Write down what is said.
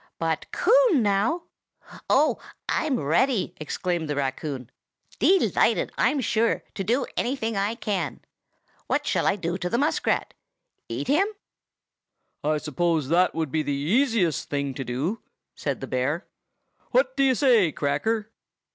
But Coon, now—" "Oh, I'm ready!" exclaimed the raccoon. "Delighted, I'm sure, to do anything I can. What shall I do to the muskrat? Eat him?" "I suppose that would be the easiest thing to do," said the bear. "What do you say, Cracker?"